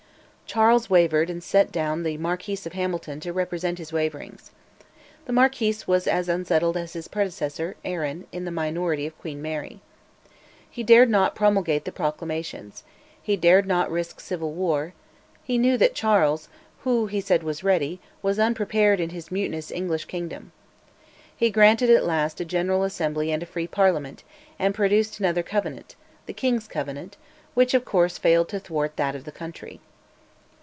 Charles wavered and sent down the Marquis of Hamilton to represent his waverings. The Marquis was as unsettled as his predecessor, Arran, in the minority of Queen Mary. He dared not promulgate the proclamations; he dared not risk civil war; he knew that Charles, who said he was ready, was unprepared in his mutinous English kingdom. He granted, at last, a General Assembly and a free Parliament, and produced another Covenant, "the King's Covenant," which of course failed to thwart that of the country.